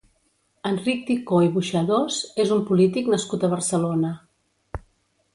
Enric Ticó i Buxadós és un polític nascut a Barcelona.